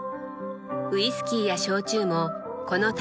ウイスキーや焼酎もこの類いです。